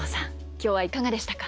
今日はいかがでしたか。